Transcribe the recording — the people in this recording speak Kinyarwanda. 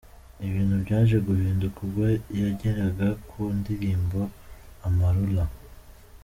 Ibintu byaje guhinduka ubwo yageraga ku ndirimbo’Amarulah’.